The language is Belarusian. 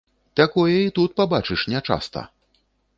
Такое і тут пабачыш нячаста!